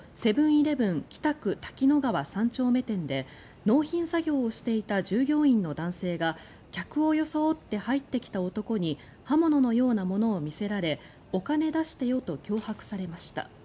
−イレブン北区滝野川３丁目店で納品作業をしていた従業員の男性が客を装って入ってきた男に刃物のようなものを見せられお金出してよと脅迫されました。